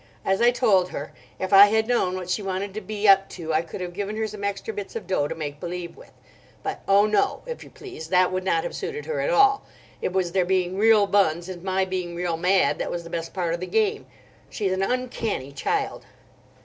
As I told her, if I had known what she wanted to be up to I could have given her some extra bits of dough to make believe with. But oh, no! if you please, that would not have suited her at all. It was their being real buns, and my being real mad, that was the best part of the game. She is an uncanny child."